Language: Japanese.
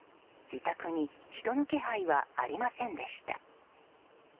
自宅に人の気配はありませんでした。